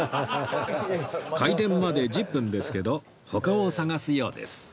開店まで１０分ですけど他を探すようです